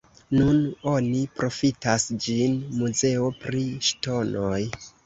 Nun oni profitas ĝin muzeo pri ŝtonoj.